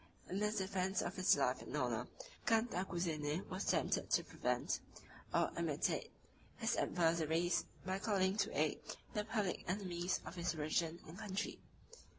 In the defence of his life and honor, Cantacuzene was tempted to prevent, or imitate, his adversaries, by calling to his aid the public enemies of his religion and country.